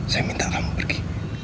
saya minta kamu pergi